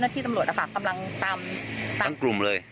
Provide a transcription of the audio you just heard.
ทั้งกลุ่มเลย